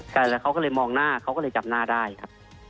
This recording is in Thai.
ใช่แล้วเขาก็เลยมองหน้าเขาก็เลยจำหน้าได้ครับ